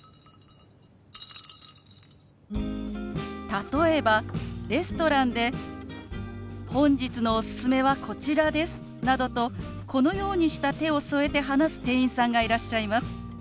例えばレストランで「本日のおすすめはこちらです」などとこのようにした手を添えて話す店員さんがいらっしゃいます。